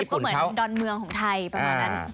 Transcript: ก็เหมือนดอนเมืองของไทยประมาณนั้น